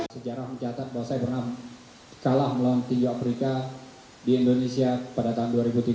sejarah mencatat bahwa saya pernah kalah melawan tiga afrika di indonesia pada tahun dua ribu tiga belas